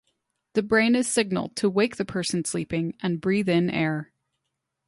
The brain is signaled to wake the person sleeping and breathe in air.